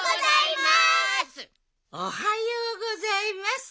おはようございます。